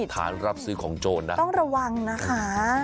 รับซื้อของโจรนะต้องระวังนะคะ